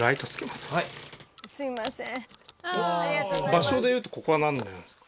場所で言うとここはなんになるんですか？